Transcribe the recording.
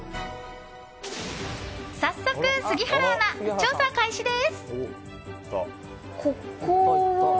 早速、杉原アナ調査開始です。